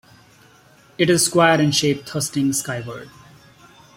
It is square in shape thrusting skyward.